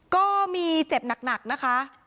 ก็มีเจ็บหนักนะคะ